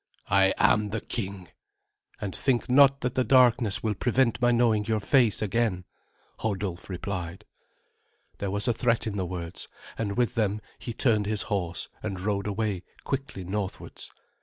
"I am the king and think not that the darkness will prevent my knowing your face again," Hodulf replied. There was a threat in the words, and with them he turned his horse and rode away quickly northwards.